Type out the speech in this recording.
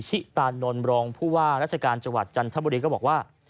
ชิตานนท์รองผู้ว่าราชการจังหวัดจันทบุรีก็บอกว่า